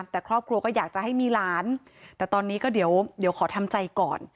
แต่ครอบครัวก็อยากจะให้มีหลานแต่ตอนนี้ก็เดี๋ยวขอทำใจก่อน